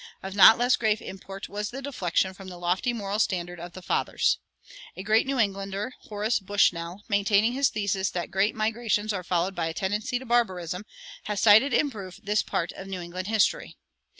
Of not less grave import was the deflection from the lofty moral standard of the fathers. A great New Englander, Horace Bushnell, maintaining his thesis that great migrations are followed by a tendency to barbarism, has cited in proof this part of New England history.